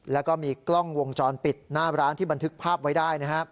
แล้วก็มีกล้องวงจรปิดหน้าร้านที่บันทึกภาพไว้ได้